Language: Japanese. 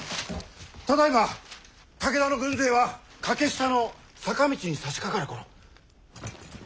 ただいま武田の軍勢は欠下の坂道にさしかかる頃。